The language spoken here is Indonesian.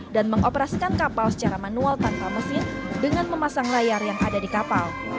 dan mengoperasikan kapal secara manual tanpa mesin dengan memasang layar yang ada di kapal